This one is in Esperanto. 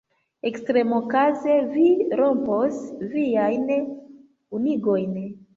Ekstremokaze vi rompos viajn ungojn!